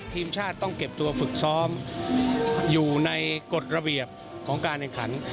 ทีมชาติต้องเก็บตัวฝึกซ้อมอยู่ในกฎระเบียบของการแข่งขัน